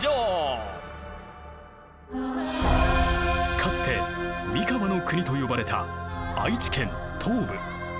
かつて三河国と呼ばれた愛知県東部。